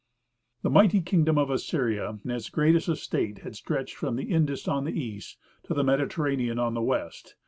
The mighty Kingdom of Assyria in its greatest estate had stretched from the Indus on the east, to the Mediterranean on the west.